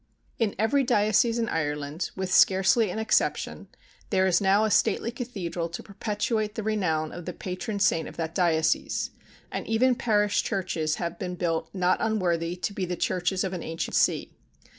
In every diocese in Ireland, with scarcely an exception, there is now a stately cathedral to perpetuate the renown of the patron saint of that diocese, and even parish churches have been built not unworthy to be the churches of an ancient see.